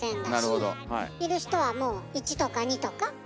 だし要る人はもう１とか２とか。